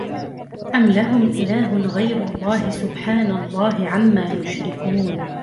أم لهم إله غير الله سبحان الله عما يشركون